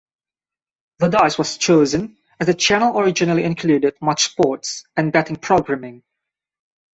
The dice was chosen as the channel originally included much sports and betting programming.